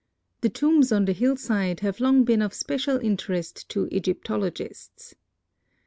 The tombs on the hillside have long been of special interest to Egyptologists.